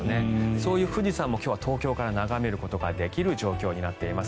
そういう富士山も今日は東京から眺めることができる状況になっています。